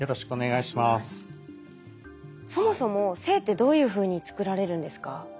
そもそも性ってどういうふうに作られるんですか？